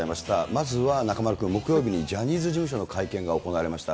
まずは中丸君、木曜日にジャニーズ事務所の会見が行われました。